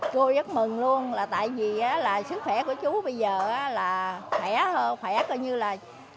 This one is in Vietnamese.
chú rất mừng luôn là tại vì sức khỏe của chú bây giờ là khỏe hơn khỏe coi như là bảy mươi tám mươi